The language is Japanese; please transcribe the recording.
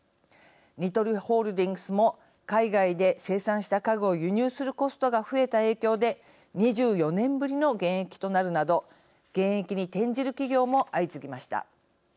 ニトリホールディングスも海外で生産した家具を輸入するコストが増えた影響で２４年ぶりの減益となるなど減益に転じる企業も相次ぎました。